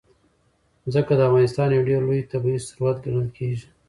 ځمکه د افغانستان یو ډېر لوی طبعي ثروت ګڼل کېږي.